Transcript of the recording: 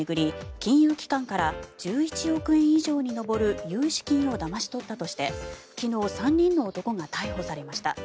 金融機関から１１億円以上に上る融資金をだまし取ったとして昨日３人の男が逮捕されました。